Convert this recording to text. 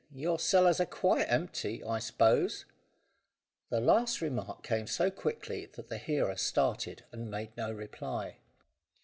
Your cellars are quite empty, I s'pose?" The last remark came so quickly, that the hearer started, and made no reply.